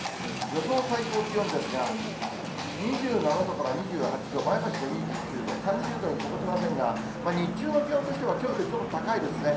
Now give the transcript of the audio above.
予想最高気温ですが、２７度から２８度、前橋で２９度、３０度に届きませんが、日中の気温としては、きょうよりちょっと高いですね。